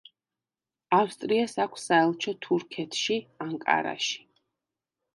ავსტრიას აქვს საელჩო თურქეთში ანკარაში.